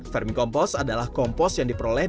vermicompost adalah kompos yang diperoleh